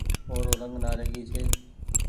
او رو رنگ نآريگي ڇي۔